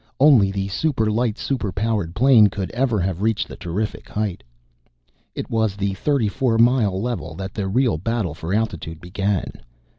Only the super light, super powered plane could ever have reached the terrific height. It was at the thirty four mile level that the real battle for altitude began.